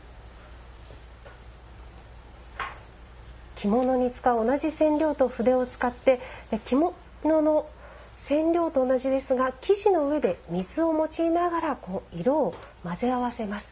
着物に使う同じ染料と筆を使って着物の染料と同じですが生地の上で水を用いながら色を混ぜ合わせます。